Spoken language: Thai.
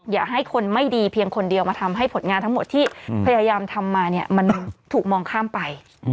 อย่าให้คนไม่ดีเพียงคนเดียวมาทำให้ผลงานทั้งหมดที่พยายามทำมาเนี่ยมันถูกมองข้ามไป